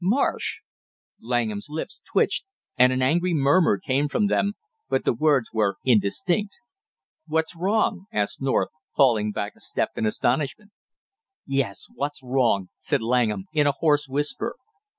"Marsh " Langham's lips twitched and an angry murmur came from them, but the words were indistinct. "What's wrong?" asked North, falling back a step in astonishment. "Yes, what's wrong!" said Langham in a hoarse whisper.